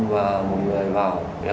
và một người vào